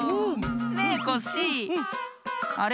ねえコッシーあれ？